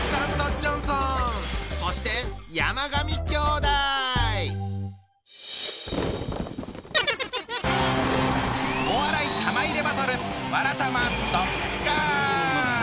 そしてお笑い玉入れバトル